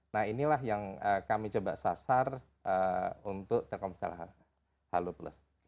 nah inilah yang kami coba sasar untuk telkomsel halo plus